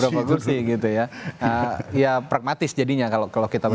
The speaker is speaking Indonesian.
berapa kursi gitu ya ya pragmatis jadinya kalau kita